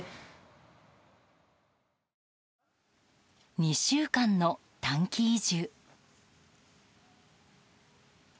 ２週間の短期移住。